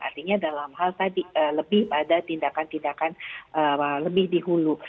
artinya dalam hal tadi lebih pada tindakan tindakan lebih dihulu